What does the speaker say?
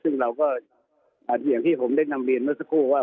ซึ่งเราก็อย่างที่ผมได้นำเรียนเมื่อสักครู่ว่า